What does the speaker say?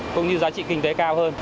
cũng như giá trị kinh tế cao hơn